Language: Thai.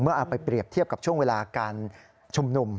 เอาไปเปรียบเทียบกับช่วงเวลาการชุมนุม